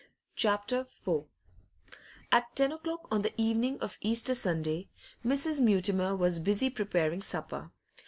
CHAPTER IV At ten o'clock on the evening of Easter Sunday, Mrs. Mutimer was busy preparing supper.